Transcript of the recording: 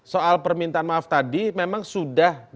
soal permintaan maaf tadi memang sudah dijawab oleh partai saya